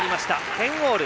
１０オール。